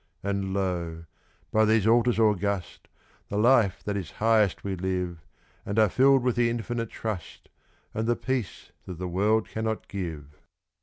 And lo! by these altars august, the life that is highest we live, And are filled with the infinite trust and the peace that the world cannot give.